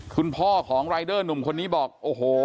คุณพ่อของรายเดอร์หนุ่มคนนี้บอกโอ้โห